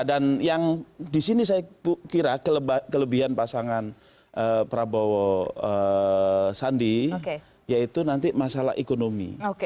dan yang disini saya kira kelebihan pasangan prabowo sandi yaitu nanti masalah ekonomi